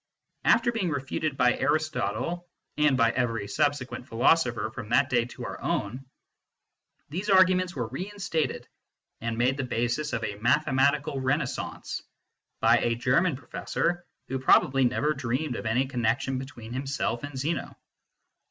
After being refuted by Aristotle, and by every subsequent philosopher from that day to our own, these arguments were reinstated, and made the basis of a mathematical renaissance, by a German pro fessor, who probably never dreamed of any connection between himself and Zeno.